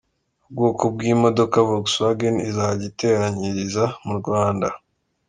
Ubwoko bw’imodoka Volkswagen izajya iteranyiriza mu Rwanda